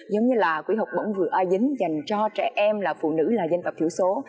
giống như là quỹ học bổng vừa a dính dành cho trẻ em là phụ nữ là dân tộc thiểu số